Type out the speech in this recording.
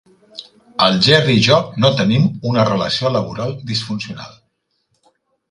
El Jerry i jo no tenim una relació laboral disfuncional.